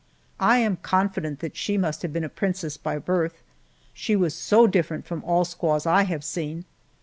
I am confident that she must have been a princess by birth, she was so different from all squaws I have seen.